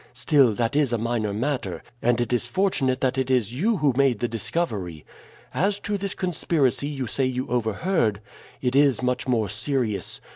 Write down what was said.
Still, that is a minor matter, and it is fortunate that it is you who made the discovery. As to this conspiracy you say you overheard, it is much more serious.